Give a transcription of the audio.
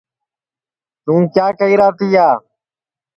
توں کیا کئیرا تیا